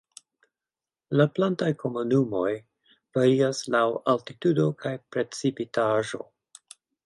La plantaj komunumoj varias laŭ altitudo kaj precipitaĵo.